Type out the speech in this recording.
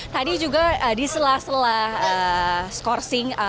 tadi juga di sela sela scoursing